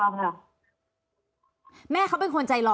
ทำไมในข่าวเหมือนกับพุ่งไปที่เขาสักคนเดียวเลยคะ